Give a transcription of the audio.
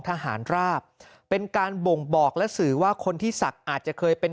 ทหารราบเป็นการบ่งบอกและสื่อว่าคนที่ศักดิ์อาจจะเคยเป็น